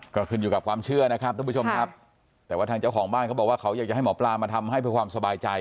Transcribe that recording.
ก็ขึ้นอยู่กับความเชื่อนะครับท่านผู้ชมครับแต่ว่าทางเจ้าของบ้านเขาบอกว่าเขาอยากจะให้หมอปลามาทำให้เพื่อความสบายใจ